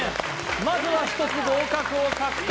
まずは１つ合格を獲得